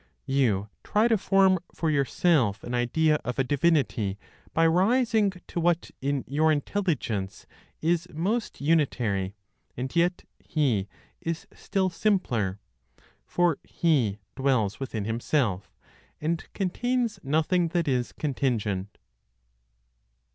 You try to form for yourself an idea of a divinity by rising to what in your intelligence is most unitary (and yet He is still simpler); for He dwells within Himself, and contains nothing that is contingent.